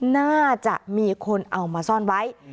น่าจะมีคนเอามาซ่อนไว้